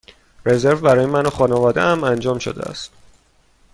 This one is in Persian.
رزرو برای من و خانواده ام انجام شده است.